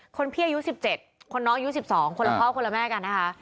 คนพี่อายุ๑๗คนน้องอายุ๑๒คนละพ่อคนละแม่กันนะคะ